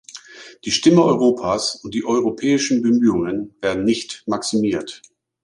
Die Stimme Europas und die europäischen Bemühungen werden nicht maximiert.